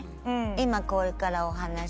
今これからお話。